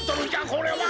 これは。